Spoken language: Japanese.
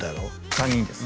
３人です